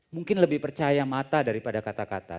mungkin lebih percaya mata daripada kata kata